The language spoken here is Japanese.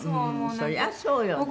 そりゃそうよね。